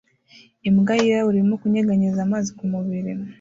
Imbwa yirabura irimo kunyeganyeza amazi kumubiri